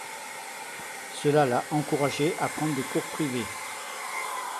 Cela l'a encouragé à prendre des cours privés.